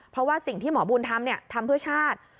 เพราะว่าสิ่งที่หมอบุญทำทำเพื่อชาติ